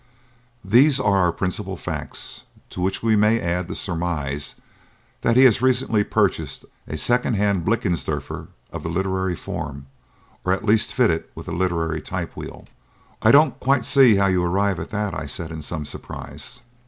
"These are our principal facts to which we may add the surmise that he has recently purchased a second hand Blickensderfer of the literary form or, at least, fitted with a literary typewheel." "I don't quite see how you arrive at that," I said, in some surprise.